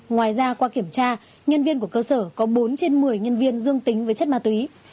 ngoài ra qua kiểm tra nhân viên của cơ sở có bốn trên một mươi nhân viên dương tính với chất ma túy